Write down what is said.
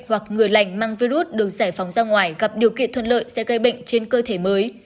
hoặc người lành mang virus được giải phóng ra ngoài gặp điều kiện thuận lợi sẽ gây bệnh trên cơ thể mới